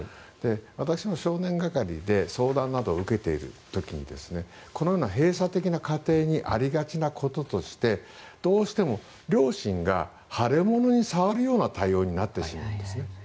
私も少年係で相談などを受けている時にこのような閉鎖的な家庭にありがちなこととしてどうしても両親が腫れ物に触るような対応になってしまうんです。